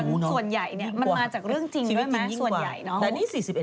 มันมาจากเรื่องจริงด้วยมั้ยส่วนใหญ่เนอะ